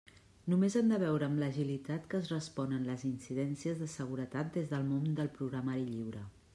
Només hem de veure amb l'agilitat que es responen les incidències de seguretat des del món del programari lliure.